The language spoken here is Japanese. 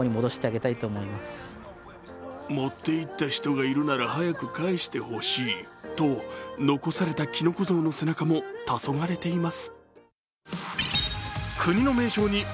持っていった人がいるなら早く返してほしいと残されたきのこ像の背中もたそがれています。